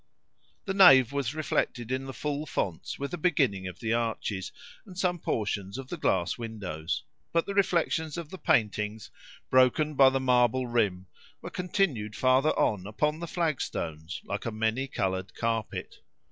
The nave was reflected in the full fonts with the beginning of the arches and some portions of the glass windows. But the reflections of the paintings, broken by the marble rim, were continued farther on upon the flag stones, like a many coloured carpet.